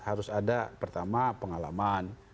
harus ada pertama pengalaman